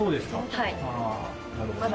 はい。